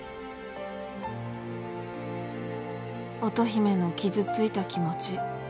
乙姫の傷ついた気持ち。